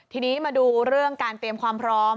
ทีนี้มาดูเรื่องการเตรียมความพร้อม